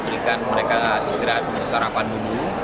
berikan mereka istirahat untuk sarapan dulu